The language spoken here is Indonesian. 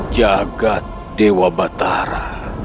jagat dewa batara